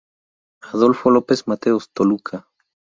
Adolfo López Mateos, Toluca.